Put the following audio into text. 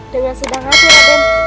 dengan sedang hati raden